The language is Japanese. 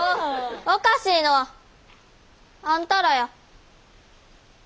おかしいのはあんたらや。